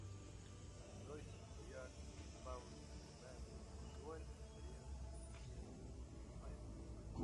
Ambroise Vollard y Paul Durand-Ruel serían sus guías, sus maestros.